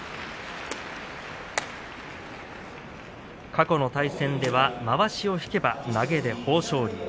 過去の対戦ではまわしを引けば投げで豊昇龍。